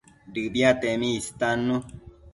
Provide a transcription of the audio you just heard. Dëbiatemi istannu